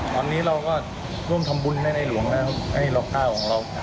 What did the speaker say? ตอนนี้เราก็ร่วมทำบุญให้ในหลวงแล้วให้ล็อกก้าวของเรา